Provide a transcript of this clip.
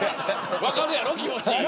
分かるやろ、気持ち。